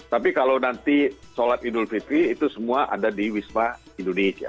tapi kalau nanti sholat idul fitri itu semua ada di wisma indonesia